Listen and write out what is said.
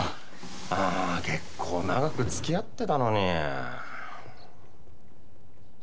ああー結構長く付き合ってたのに。